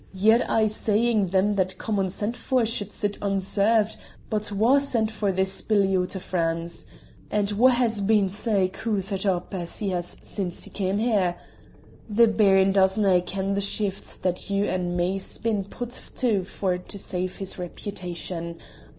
Ye're aye saying them that come unsent for should sit unserved; but wha sent for this billy oot o' France? and wha has been sae coothered up as he has since he cam' here? The Baron doesnae ken the shifts that you and me's been put to for to save his repitation.